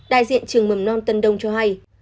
đại diện trường mầm non tân đông cho hay